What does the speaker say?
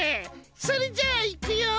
それじゃあ行くよ。